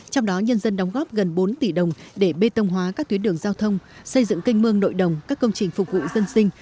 trong đó nhân dân đóng góp gần bốn tỷ đồng để bê tông hóa các tuyến đường giao thông xây dựng kênh mương nội đồng các công trình phục vụ dân sinh